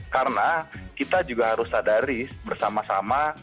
karena kita juga harus sadari bersama sama